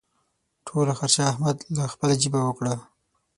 ټوله خرچه احمد له خپلې جېبه وکړه.